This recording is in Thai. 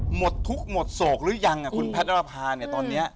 หมดทุกข์หมดโศกหรือยังคุณแพทย์อรภาเนี่ยตอนนี้